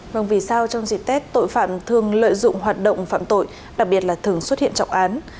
vâng vì sao trong dịp tết tội phạm thường lợi dụng hoạt động phạm tội đặc biệt là thường xuất hiện trọng án